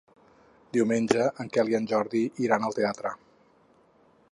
Diumenge en Quel i en Jordi iran al teatre.